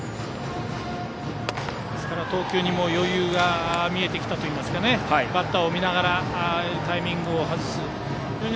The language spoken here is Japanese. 投球にも余裕が見えてきたといいますかバッターを見ながらタイミングを外す。